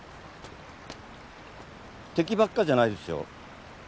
敵ばっかじゃないですよ。